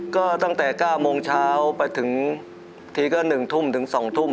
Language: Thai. ก็ตั้งแต่๙โมงเช้าไปถึงทีก็๑ทุ่มถึง๒ทุ่ม